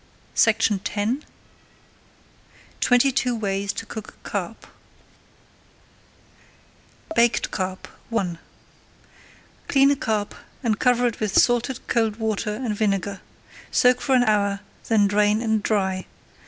[Page 81] TWENTY TWO WAYS TO COOK CARP BAKED CARP I Clean a carp and cover it with salted cold water and vinegar. Soak for an hour, then drain and dry.